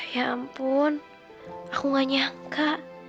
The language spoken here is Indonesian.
ya ampun aku gak nyangka